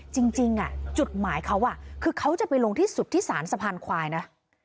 จริงจุดหมายเขาคือเขาจะไปลงที่สุดที่สารสะพานควายนะ